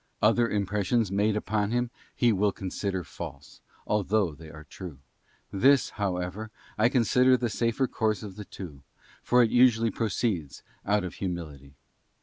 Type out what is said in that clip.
Other impressions made upon him he will consider false, though they are true; this, however, I consider the safer course of the two, for it usually proceeds out of Humility.